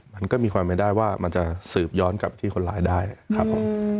มันก็มีความไม่ได้ว่ามันจะสืบย้อนกับที่คนร้ายได้ครับผม